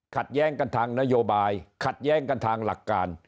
ขัดแย้งกันทางนโยบายขัดแย้งกันทางหลักการ